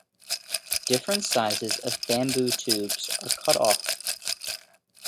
Different sizes of bamboo tubes are cut off.